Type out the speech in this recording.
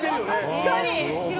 確かに！